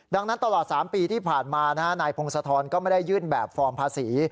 ดังนั้นตลอด๓ปีที่ผ่านมานายพงศธรก็ไม่ได้ยื่นแบบฟอร์มภาษี